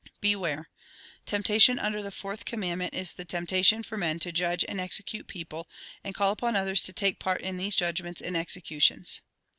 " Beware. Temptation under the fourth com mandment is the temptation for men to judge and execute people, and call upon others to take part in these judgments and executions."